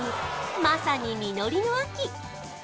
まさに実りの秋！